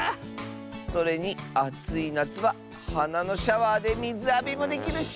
それにあついなつははなのシャワーでみずあびもできるし。